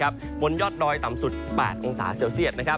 บนยอดดอยต่ำสุด๘องศาเซลเซียต